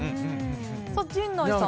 陣内さんは？